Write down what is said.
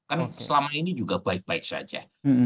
kan selama ini juga baik baik saja